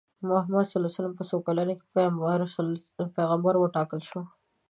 محمد ص په څو کلنۍ کې په پیغمبرۍ وټاکل شو؟